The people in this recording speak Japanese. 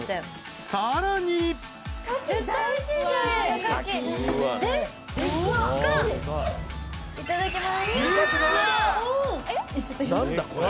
［さらに］いただきます。